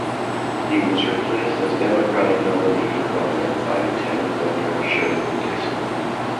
He was replaced as Democratic nominee for Governor by Lieutenant Governor Sherwood Dixon.